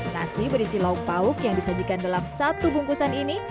nasi berisi lauk pauk yang disajikan dalam satu bungkusan ini